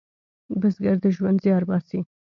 بزګر د ژوند زیار باسي